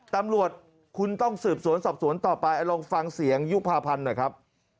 ตำรวจคุณต้องสืบสวนสอบสวนต่อไปลองฟังเสียงยุภาพันธ์หน่อยครับ